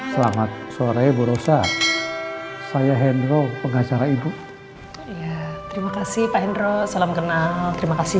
selamat sore bu rosa saya hendro pengacara ibu terima kasih pak hendro salam kenal terima kasih